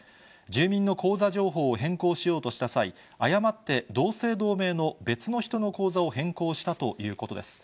住民の口座情報を変更しようとした際、誤って同姓同名の別の人の口座を変更したということです。